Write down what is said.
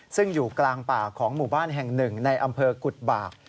ซึ่งอยู่กลางป่าของหมู่บ้านแห่งหนึ่งในอำเภอกุฎบาก